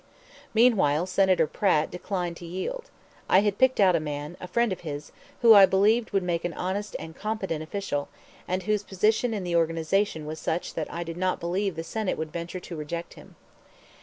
Meanwhile Senator Platt declined to yield. I had picked out a man, a friend of his, who I believed would make an honest and competent official, and whose position in the organization was such that I did not believe the Senate would venture to reject him.